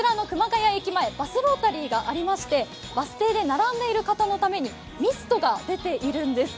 谷駅前、バスロータリーがありまして、バス停で並んでいる方のためにミストが出ているんです。